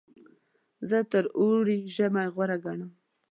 زه تر اوړي ژمی غوره ګڼم.